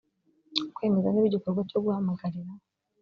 kwemeza niba igikorwa cyo guhamagarira